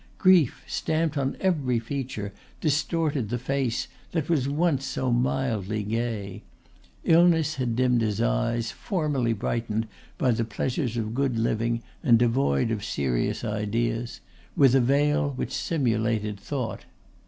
Grief, stamped on every feature, distorted the face that was once so mildly gay. Illness had dimmed his eyes, formerly brightened by the pleasures of good living and devoid of serious ideas, with a veil which simulated thought.